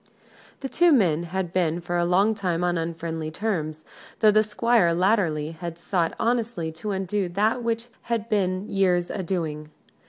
The two men had been for a long time on unfriendly terms, though the Squire latterly had sought honestly to undo that which had been years a doing.